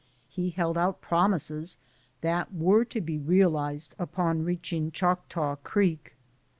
He held out promises that were to be realized upon reaching Choteau Creek.